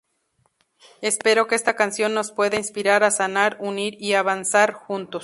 Espero que esta canción nos puede inspirar a sanar, unir, y avanzar juntos.